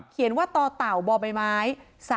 เขียนว่าตอเต่าบ่อใบไม้๓๓๗๔